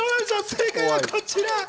正解はこちら。